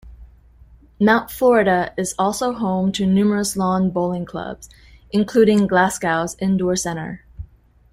Mount Florida is also home to numerous lawn bowling clubs, including Glasgow's Indoor Centre.